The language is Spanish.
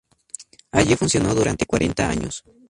Allí funcionó durante cuarenta años.